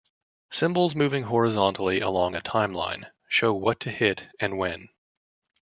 Symbols moving horizontally along a timeline show what to hit and when.